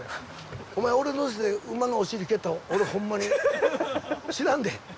お前俺乗せて馬のお尻蹴ったら俺ほんまに知らんで。